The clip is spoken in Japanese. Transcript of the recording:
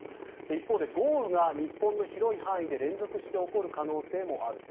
一方で豪雨が日本の広い範囲で連続して起こる可能性もあると。